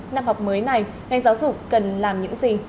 năm học mới này ngành giáo dục cần làm những gì